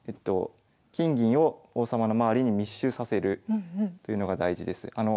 金銀を王様の周りに密集させるというのが大事です。